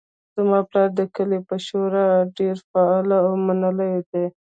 زما پلار د کلي په شورا کې ډیر فعال او منلی ده